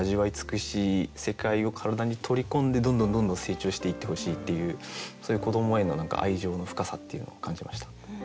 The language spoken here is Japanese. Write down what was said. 世界を体に取り込んでどんどんどんどん成長していってほしいっていうそういう子どもへの何か愛情の深さっていうのを感じました。